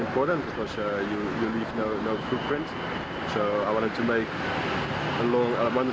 karena tidak ada makanan